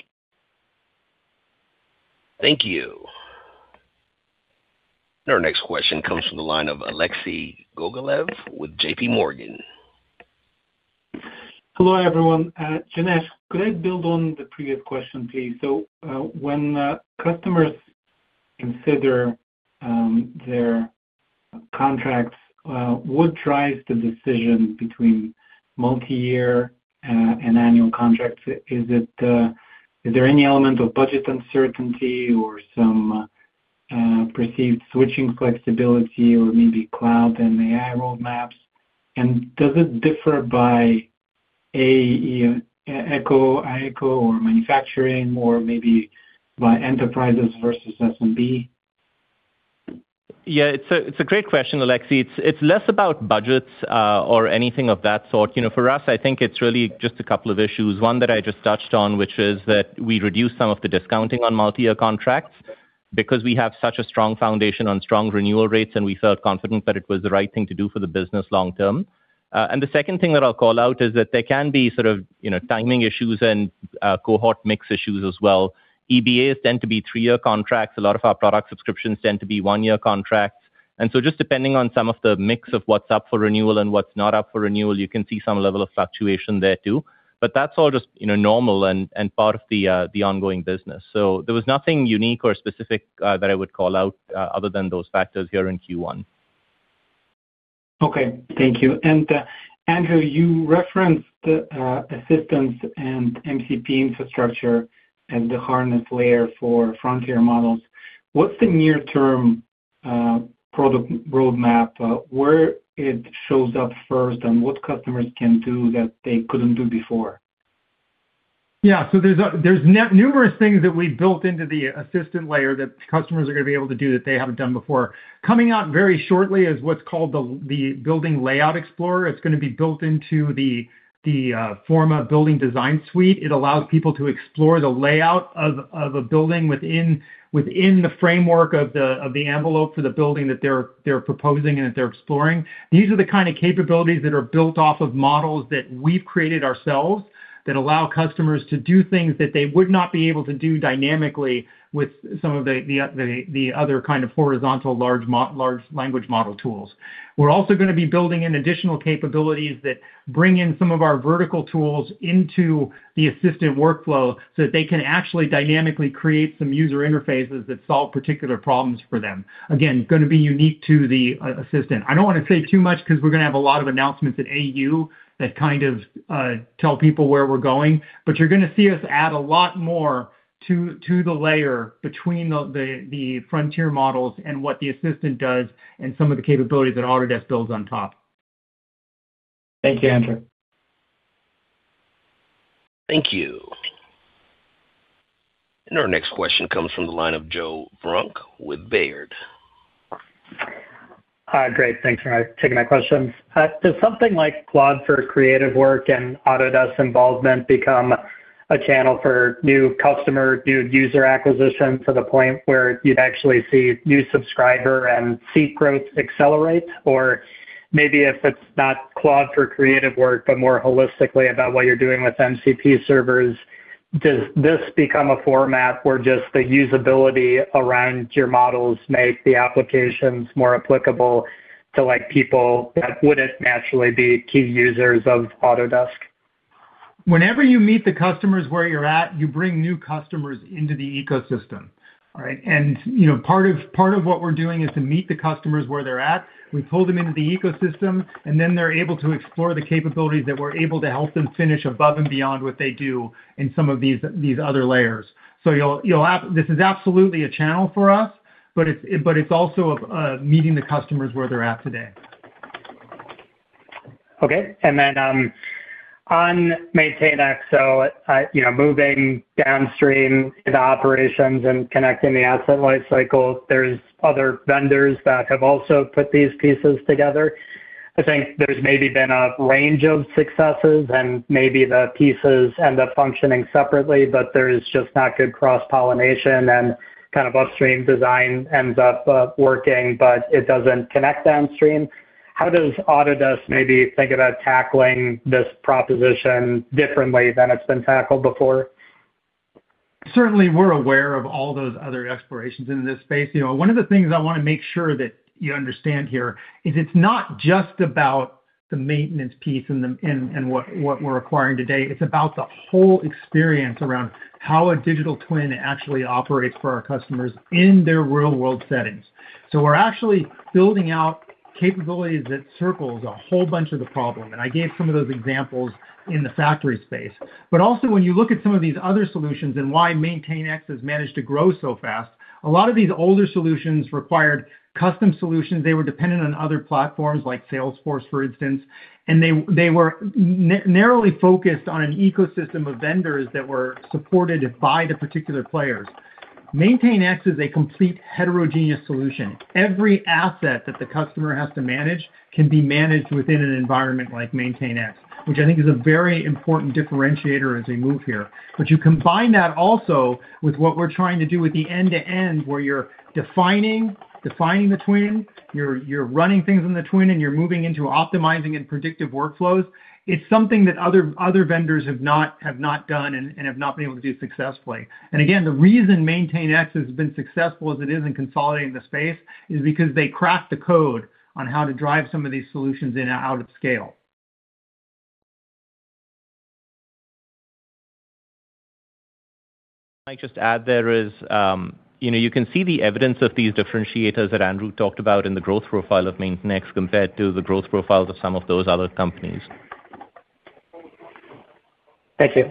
Thank you. Our next question comes from the line of Alexei Gogolev with J.P. Morgan. Hello, everyone. Janesh, could I build on the previous question, please? When customers consider their contracts, what drives the decision between multi-year and annual contracts? Is there any element of budget uncertainty or some perceived switching flexibility or maybe cloud and AI roadmaps? Does it differ by AECO or manufacturing or maybe by enterprises versus SMB? Yeah. It's a great question, Alexei. It's less about budgets or anything of that sort. For us, I think it's really just a couple of issues. One that I just touched on, which is that we reduced some of the discounting on multi-year contracts because we have such a strong foundation on strong renewal rates, and we felt confident that it was the right thing to do for the business long term. The second thing that I'll call out is that there can be sort of timing issues and cohort mix issues as well. EBAs tend to be three-year contracts. A lot of our product subscriptions tend to be one-year contracts. Just depending on some of the mix of what's up for renewal and what's not up for renewal, you can see some level of fluctuation there too. That's all just normal and part of the ongoing business. So there was nothing unique or specific that I would call out other than those factors here in Q1. Okay. Thank you. Andrew, you referenced Autodesk Assistant and MCP infrastructure and the harness layer for frontier models. What's the near-term product roadmap, where it shows up first, and what customers can do that they couldn't do before? Yeah. There's numerous things that we've built into the assistant layer that customers are going to be able to do that they haven't done before. Coming out very shortly is what's called the Building Layout Explorer. It's going to be built into the Forma Building Design suite. It allows people to explore the layout of a building within the framework of the envelope for the building that they're proposing and that they're exploring. These are the kind of capabilities that are built off of models that we've created ourselves that allow customers to do things that they would not be able to do dynamically with some of the other kind of horizontal large language model tools. We're also going to be building in additional capabilities that bring in some of our vertical tools into the Assistant workflow so that they can actually dynamically create some user interfaces that solve particular problems for them. Again, going to be unique to the Assistant. I don't want to say too much because we're going to have a lot of announcements at AU that kind of tell people where we're going. But you're going to see us add a lot more to the layer between the frontier models and what the Assistant does and some of the capabilities that Autodesk builds on top. Thank you, Andrew. Thank you. Our next question comes from the line of Joe Vruwink with Baird. Hi. Great. Thanks for taking my questions. Does something like Claude for creative work and Autodesk involvement become a channel for new customer, new user acquisition to the point where you'd actually see new subscriber and seat growth accelerate? Maybe if it's not Claude for creative work, but more holistically about what you're doing with MCP servers, does this become a format where just the usability around your models make the applications more applicable to people that wouldn't naturally be key users of Autodesk? Whenever you meet the customers where you're at, you bring new customers into the ecosystem. All right? Part of what we're doing is to meet the customers where they're at. We pull them into the ecosystem, and then they're able to explore the capabilities that we're able to help them finish above and beyond what they do in some of these other layers. This is absolutely a channel for us, but it's also meeting the customers where they're at today. Okay. On MaintainX, moving downstream in operations and connecting the asset life cycles, there's other vendors that have also put these pieces together. I think there's maybe been a range of successes, and maybe the pieces end up functioning separately, but there's just not good cross-pollination, and upstream design ends up working, but it doesn't connect downstream. How does Autodesk maybe think about tackling this proposition differently than it's been tackled before? Certainly, we're aware of all those other explorations in this space. One of the things I want to make sure that you understand here is it's not just about the maintenance piece and what we're acquiring today. It's about the whole experience around how a digital twin actually operates for our customers in their real-world settings. We're actually building out capabilities that circles a whole bunch of the problem, and I gave some of those examples in the factory space. Also when you look at some of these other solutions and why MaintainX has managed to grow so fast, a lot of these older solutions required custom solutions. They were dependent on other platforms like Salesforce, for instance, and they were narrowly focused on an ecosystem of vendors that were supported by the particular players. MaintainX is a complete heterogeneous solution. Every asset that the customer has to manage can be managed within an environment like MaintainX, which I think is a very important differentiator as we move here. You combine that also with what we're trying to do with the end-to-end, where you're defining the twin, you're running things in the twin, and you're moving into optimizing and predictive workflows. It's something that other vendors have not done and have not been able to do successfully. Again, the reason MaintainX has been successful as it is in consolidating the space is because they cracked the code on how to drive some of these solutions in and out of scale. I'd just add there is, you can see the evidence of these differentiators that Andrew talked about in the growth profile of MaintainX compared to the growth profiles of some of those other companies. Thank you.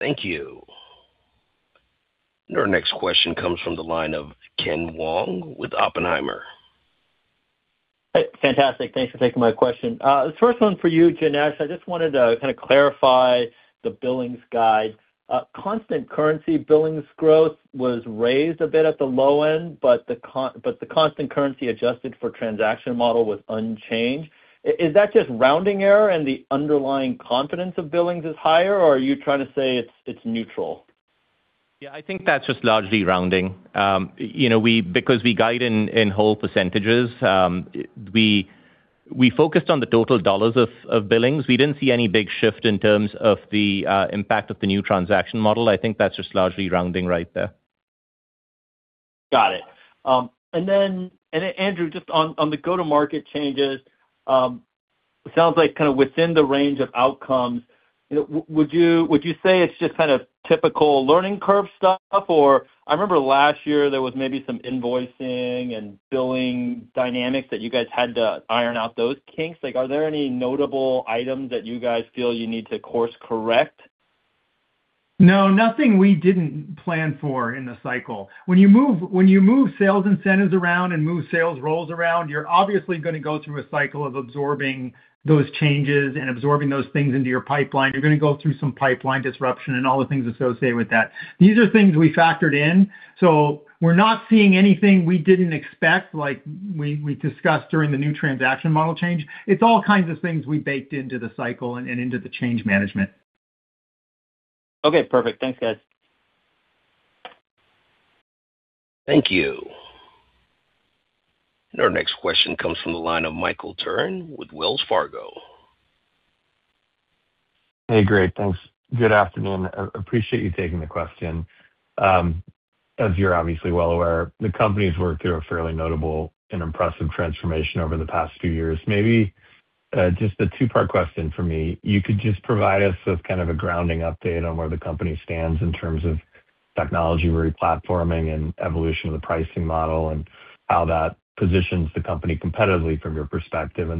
Thank you. Our next question comes from the line of Ken Wong with Oppenheimer. Hey. Fantastic. Thanks for taking my question. This first one for you, Janesh. I just wanted to kind of clarify the billings guide. Constant currency billings growth was raised a bit at the low end, but the constant currency adjusted for transaction model was unchanged. Is that just rounding error and the underlying confidence of billings is higher, or are you trying to say it's neutral? Yeah, I think that's just largely rounding. Because we guide in whole percentage, we focused on the total dollars of billings. We didn't see any big shift in terms of the impact of the new transaction model. I think that's just largely rounding right there. Got it. Andrew, just on the go-to-market changes. It sounds like within the range of outcomes. Would you say it's just typical learning curve stuff? I remember last year there was maybe some invoicing and billing dynamics that you guys had to iron out those kinks. Are there any notable items that you guys feel you need to course correct? No, nothing we didn't plan for in the cycle. When you move sales incentives around and move sales roles around, you're obviously going to go through a cycle of absorbing those changes and absorbing those things into your pipeline. You're going to go through some pipeline disruption and all the things associated with that. These are things we factored in, so we're not seeing anything we didn't expect, like we discussed during the new transaction model change. It's all kinds of things we baked into the cycle and into the change management. Okay, perfect. Thanks, guys. Thank you. Our next question comes from the line of Michael Turrin with Wells Fargo. Hey, great. Thanks. Good afternoon. I appreciate you taking the question. As you're obviously well aware, the company's worked through a fairly notable and impressive transformation over the past few years. Maybe just a two-part question from me. You could just provide us with kind of a grounding update on where the company stands in terms of technology replatforming and evolution of the pricing model, and how that positions the company competitively from your perspective.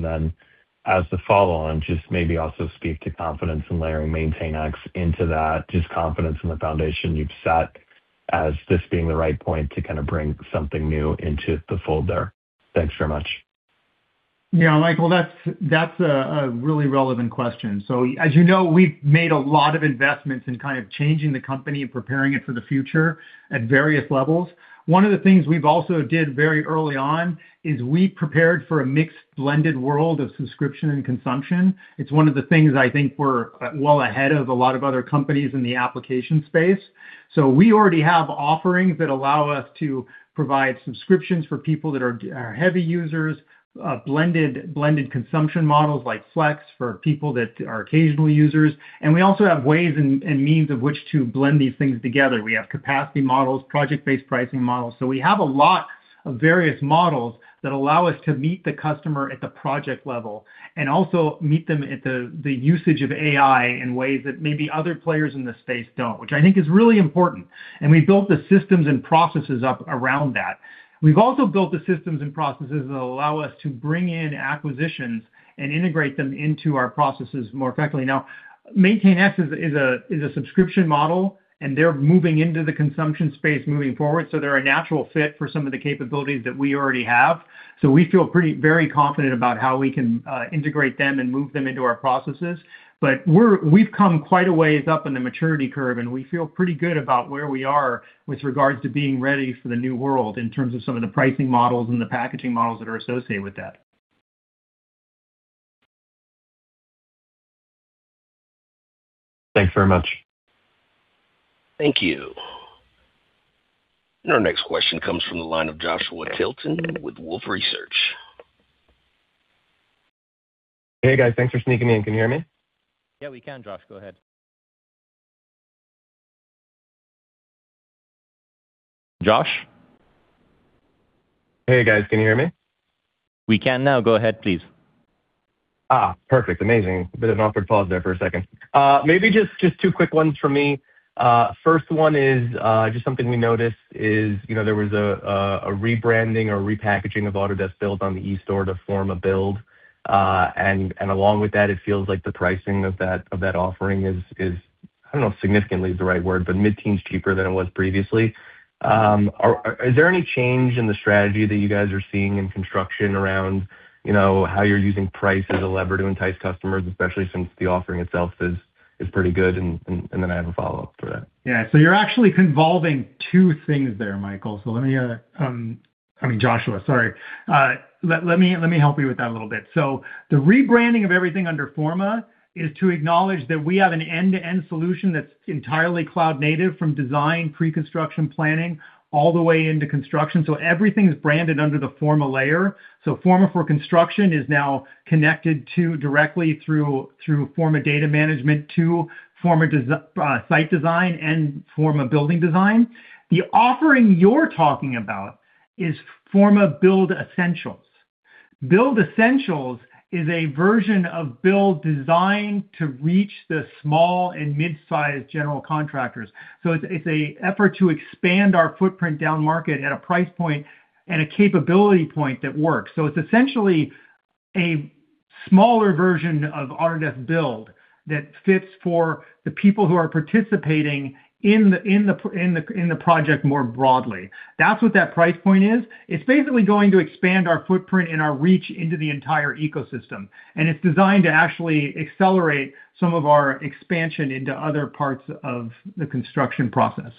As the follow-on, just maybe also speak to confidence in layering MaintainX into that. Just confidence in the foundation you've set as this being the right point to bring something new into the fold there. Thanks very much. Yeah, Michael, that's a really relevant question. As you know, we've made a lot of investments in changing the company and preparing it for the future at various levels. One of the things we also did very early on is we prepared for a mixed, blended world of subscription and consumption. It's one of the things I think we're well ahead of a lot of other companies in the application space. We already have offerings that allow us to provide subscriptions for people that are heavy users, blended consumption models like Flex for people that are occasional users. We also have ways and means of which to blend these things together. We have capacity models, project-based pricing models. We have a lot of various models that allow us to meet the customer at the project level, and also meet them at the usage of AI in ways that maybe other players in the space don't, which I think is really important. We built the systems and processes up around that. We've also built the systems and processes that allow us to bring in acquisitions and integrate them into our processes more effectively. MaintainX is a subscription model, and they're moving into the consumption space moving forward, so they're a natural fit for some of the capabilities that we already have. We feel very confident about how we can integrate them and move them into our processes. We've come quite a ways up in the maturity curve, and we feel pretty good about where we are with regards to being ready for the new world, in terms of some of the pricing models and the packaging models that are associated with that. Thanks very much. Thank you. Our next question comes from the line of Joshua Tilton with Wolfe Research. Hey, guys. Thanks for sneaking me in. Can you hear me? Yeah, we can, Josh. Go ahead. Josh? Hey, guys. Can you hear me? We can now. Go ahead, please. Perfect. Amazing. A bit of an awkward pause there for a second. Maybe just two quick ones from me. First one is, just something we noticed is there was a rebranding or repackaging of Autodesk Build on the eStore to Forma Build. Along with that, it feels like the pricing of that offering is, I don't know if "significantly" is the right word, but mid-teens cheaper than it was previously. Is there any change in the strategy that you guys are seeing in construction around how you're using price as a lever to entice customers, especially since the offering itself is pretty good? Then I have a follow-up for that. You're actually convolving two things there, Michael. I mean Joshua, sorry. Let me help you with that a little bit. The rebranding of everything under Forma is to acknowledge that we have an end-to-end solution that's entirely cloud-native, from design, pre-construction planning, all the way into construction. Everything's branded under the Forma layer. Forma for Construction is now connected to directly through Forma Data Management to Forma Site Design and Forma Building Design. The offering you're talking about is Forma Build Essentials. Build Essentials is a version of Build designed to reach the small and midsize general contractors. It's an effort to expand our footprint downmarket at a price point and a capability point that works. It's essentially a smaller version of Autodesk Build that fits for the people who are participating in the project more broadly. That's what that price point is. It's basically going to expand our footprint and our reach into the entire ecosystem, and it's designed to actually accelerate some of our expansion into other parts of the construction process.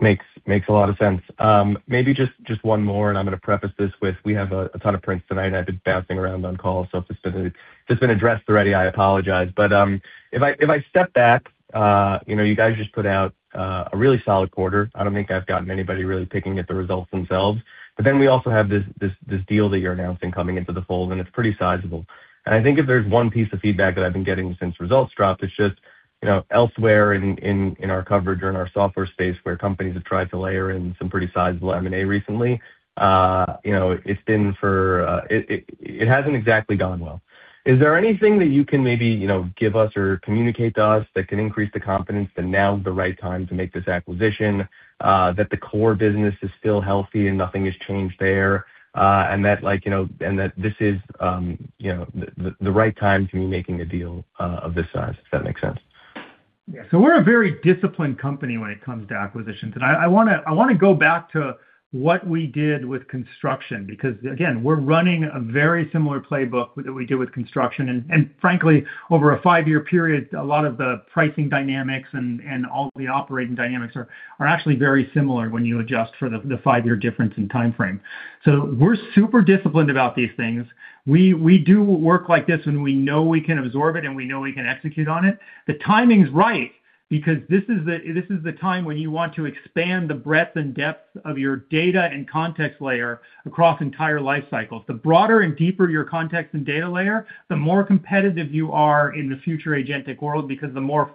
Makes a lot of sense. Maybe just one more. I'm going to preface this with, we have a ton of prints tonight, and I've been bouncing around on calls. If this has been addressed already, I apologize. If I step back, you guys just put out a really solid quarter. I don't think I've gotten anybody really picking at the results themselves. We also have this deal that you're announcing coming into the fold, and it's pretty sizable. I think if there's one piece of feedback that I've been getting since results dropped, elsewhere in our coverage or in our software space where companies have tried to layer in some pretty sizable M&A recently. It hasn't exactly gone well. Is there anything that you can maybe, give us or communicate to us that can increase the confidence that now's the right time to make this acquisition, that the core business is still healthy and nothing has changed there, and that this is the right time to be making a deal of this size? If that makes sense. Yeah. We're a very disciplined company when it comes to acquisitions. I want to go back to what we did with construction, because, again, we're running a very similar playbook that we did with construction. Frankly, over a five-year period, a lot of the pricing dynamics and all the operating dynamics are actually very similar when you adjust for the five-year difference in timeframe. We're super disciplined about these things. We do work like this when we know we can absorb it, and we know we can execute on it. The timing's right because this is the time when you want to expand the breadth and depth of your data and context layer across entire life cycles. The broader and deeper your context and data layer, the more competitive you are in the future agentic world, because the more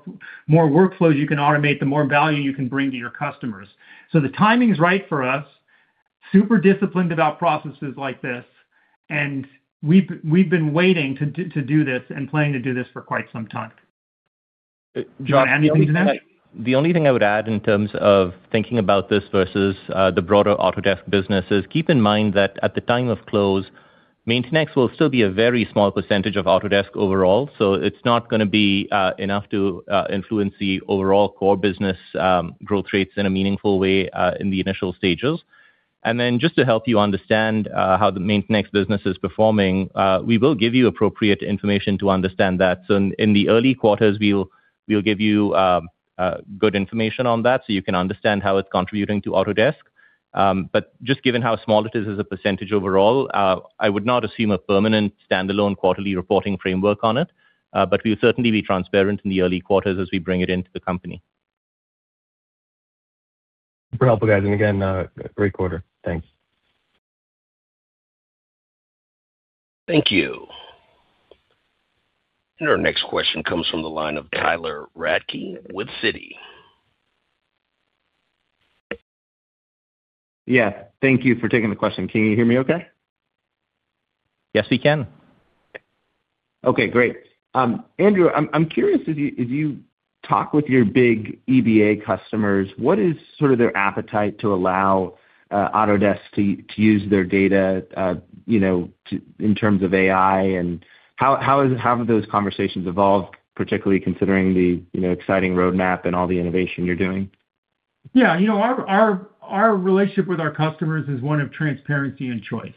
workflows you can automate, the more value you can bring to your customers. The timing's right for us. We are super disciplined about processes like this, and we've been waiting to do this and planning to do this for quite some time. Janesh- Do you want to add anything to that? The only thing I would add in terms of thinking about this versus the broader Autodesk business is keep in mind that at the time of close, MaintainX will still be a very small percentage of Autodesk overall. It's not going to be enough to influence the overall core business growth rates in a meaningful way, in the initial stages. Just to help you understand how the MaintainX business is performing, we will give you appropriate information to understand that. In the early quarters, we'll give you good information on that so you can understand how it's contributing to Autodesk. Just given how small it is as a percentage overall, I would not assume a permanent standalone quarterly reporting framework on it. We'll certainly be transparent in the early quarters as we bring it into the company. Super helpful, guys. Again, great quarter. Thanks. Thank you. Our next question comes from the line of Tyler Radke with Citi. Yeah, thank you for taking the question. Can you hear me okay? Yes, we can. Okay, great. Andrew, I'm curious, as you talk with your big EBA customers, what is sort of their appetite to allow Autodesk to use their data, in terms of AI, and how have those conversations evolved, particularly considering the exciting roadmap and all the innovation you're doing? Yeah. Our relationship with our customers is one of transparency and choice.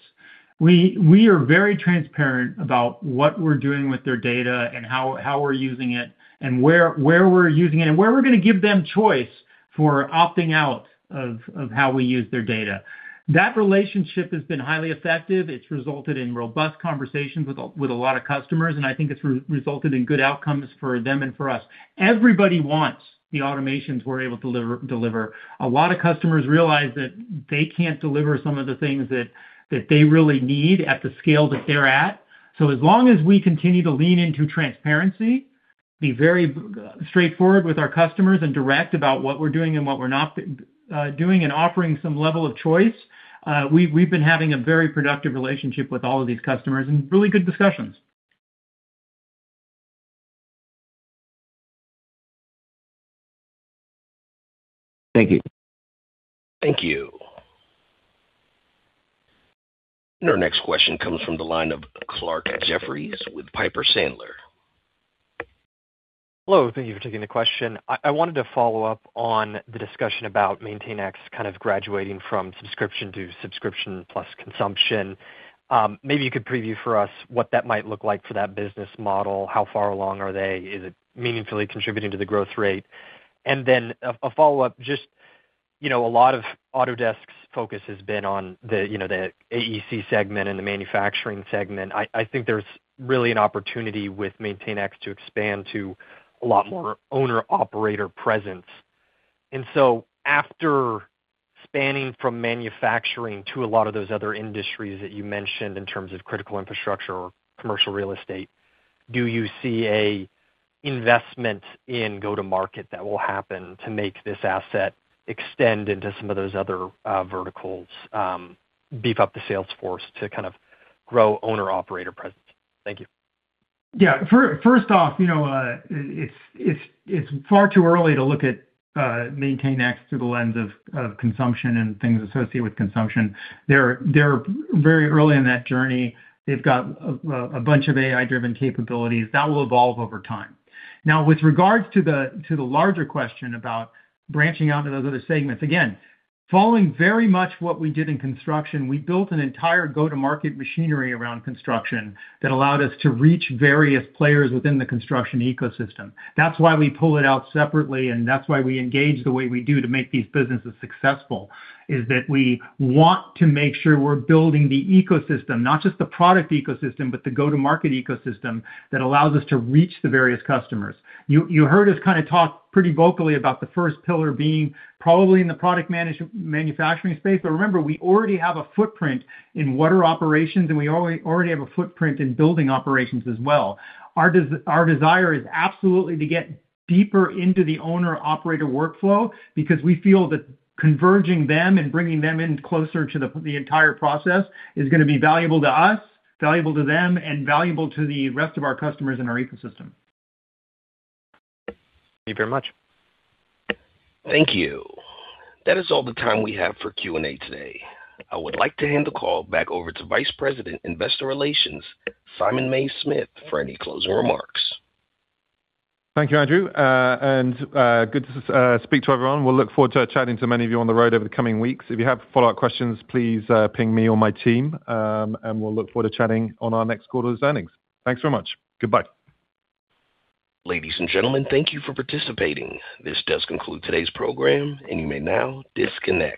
We are very transparent about what we're doing with their data and how we're using it and where we're using it, and where we're going to give them choice for opting out of how we use their data. That relationship has been highly effective. It's resulted in robust conversations with a lot of customers, and I think it's resulted in good outcomes for them and for us. Everybody wants the automations we're able to deliver. A lot of customers realize that they can't deliver some of the things that they really need at the scale that they're at. As long as we continue to lean into transparency, be very straightforward with our customers and direct about what we're doing and what we're not doing, and offering some level of choice, we've been having a very productive relationship with all of these customers and really good discussions. Thank you. Thank you. Our next question comes from the line of Clarke Jeffries with Piper Sandler. Hello, thank you for taking the question. I wanted to follow up on the discussion about MaintainX kind of graduating from subscription to subscription plus consumption. Maybe you could preview for us what that might look like for that business model. How far along are they? Is it meaningfully contributing to the growth rate? A follow-up, just a lot of Autodesk's focus has been on the AEC segment and the manufacturing segment. I think there's really an opportunity with MaintainX to expand to a lot more owner-operator presence. After spanning from manufacturing to a lot of those other industries that you mentioned in terms of critical infrastructure or commercial real estate, do you see an investment in go-to-market that will happen to make this asset extend into some of those other verticals, beef up the sales force to kind of grow owner-operator presence? Thank you. Yeah. First off, it's far too early to look at MaintainX through the lens of consumption and things associated with consumption. They're very early in that journey. They've got a bunch of AI-driven capabilities. That will evolve over time. Now, with regards to the larger question about branching out into those other segments, again, following very much what we did in construction, we built an entire go-to-market machinery around construction that allowed us to reach various players within the construction ecosystem. That's why we pull it out separately, and that's why we engage the way we do to make these businesses successful, is that we want to make sure we're building the ecosystem, not just the product ecosystem, but the go-to-market ecosystem that allows us to reach the various customers. You heard us kind of talk pretty vocally about the first pillar being probably in the product manufacturing space. Remember, we already have a footprint in water operations, and we already have a footprint in building operations as well. Our desire is absolutely to get deeper into the owner/operator workflow because we feel that converging them and bringing them in closer to the entire process is going to be valuable to us, valuable to them, and valuable to the rest of our customers in our ecosystem. Thank you very much. Thank you. That is all the time we have for Q&A today. I would like to hand the call back over to Vice President Investor Relations, Simon Mays-Smith, for any closing remarks. Thank you, Andrew. Good to speak to everyone. We'll look forward to chatting to many of you on the road over the coming weeks. If you have follow-up questions, please ping me or my team. We'll look forward to chatting on our next quarter's earnings. Thanks very much. Goodbye. Ladies and gentlemen, thank you for participating. This does conclude today's program, and you may now disconnect.